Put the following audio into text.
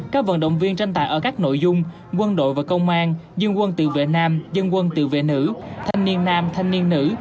các vận động viên tranh tài ở các nội dung quân đội và công an dân quân tự vệ nam dân quân tự vệ nữ thanh niên nam thanh niên nữ